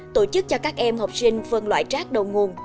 tổ chức cho các em học sinh phân loại rác đầu nguồn